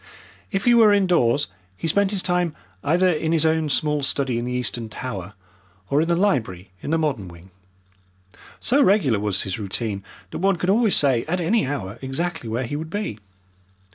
If he were indoors he spent his time either in his own small study in the Eastern Tower, or in the library in the modern wing. So regular was his routine that one could always say at any hour exactly where he would be.